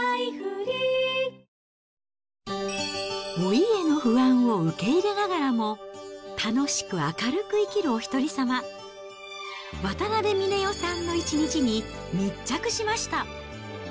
老いへの不安を受け入れながらも、楽しく明るく生きるお一人様、渡辺峰代さんの一日に密着しました。